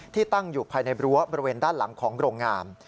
ตั้งอยู่ภายในรั้วบริเวณด้านหลังของโรงงาน